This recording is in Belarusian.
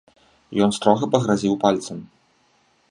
Ён строга пагразіў пальцам.